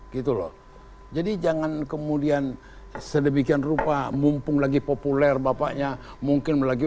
gitu loh jadi jangan kemudian sedemikian rupa mumpung lagi populer bapaknya mungkin lagi